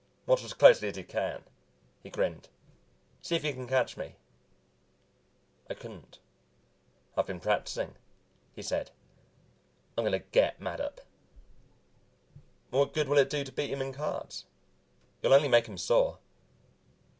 "Watch as closely as you can," he grinned. "See if you can catch me." I couldn't. "I've been practicing," he said. "I'm going to get Mattup." "What good will it do to beat him in cards? You'll only make him sore."